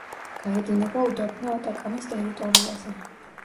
გაედინება უდაბნო ატაკამის ტერიტორიაზე.